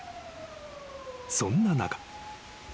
［そんな中］